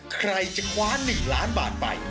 ใครจะคว้า๑ล้านบาทไป